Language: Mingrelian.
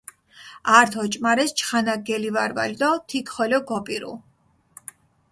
ართ ოჭუმარეს, ჩხანაქ გელივარვალჷ დო თიქ ხოლო გოპირუ.